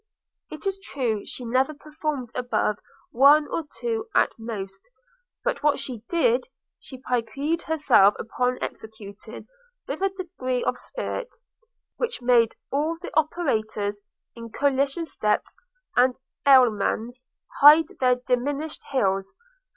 It is true she never performed above one or two at most; but what she did, she piqued herself upon executing with a degree of spirit, which made all the operators in cotillon steps, and allemands, 'hide their diminished' heels.